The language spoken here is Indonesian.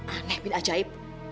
aneh bila ajaib